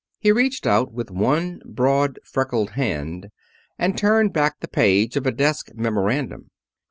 He reached out with one broad freckled hand and turned back the page of a desk memorandum.